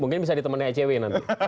mungkin bisa ditemani icw nanti